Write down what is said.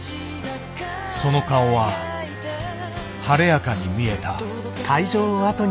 その顔は晴れやかに見えた。